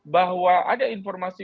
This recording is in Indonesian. bahwa ada informasi